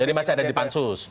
jadi masih ada di pansus